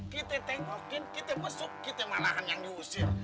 kita tengokin kita mesuk kita malah yang diusir